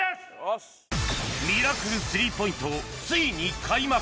ミラクル３ポイントついに開幕